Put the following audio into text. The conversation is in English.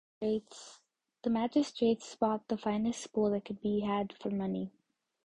The magistrates bought the finest bull that could be had for money.